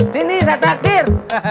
sini saya terakhir